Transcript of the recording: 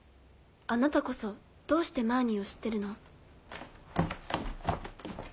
あなたこそどうしてマーニーを知ってるの？